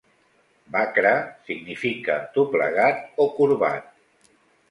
"Bakra" significa doblegat o corbat.